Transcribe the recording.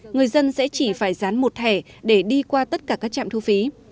người dân sẽ chỉ phải dán một thẻ để đi qua tất cả các trạm thu phí